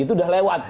itu udah lewat gitu